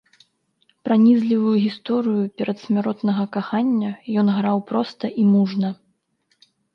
Пранізлівую гісторыю перадсмяротнага кахання ён граў проста і мужна.